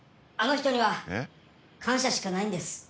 あの人には感謝しかないんです。